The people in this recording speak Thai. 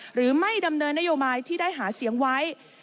หรือไม่ดำเนินนโยบายที่ได้หาเสียงไว้